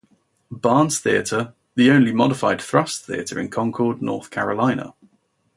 Barnes Theatre, the only modified thrust theatre in Concord, North Carolina.